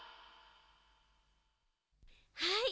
はい。